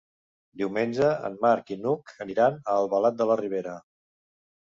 Diumenge en Marc i n'Hug aniran a Albalat de la Ribera.